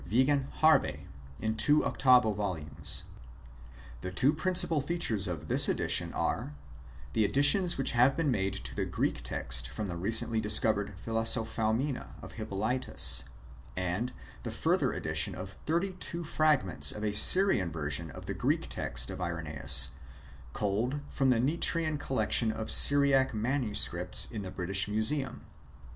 Wigan Harvey, in two octavo volumes. The two principal features of this edition are : the additions which have been made to the Greek text from the recently discovered Pldlosoplioumena of Hippolytus ; and the further addition of thirty two fragments of a Syriac version of the Greek text of Irenseus, culled from the Nitrian collection of Syriac MSS. in the British Museum.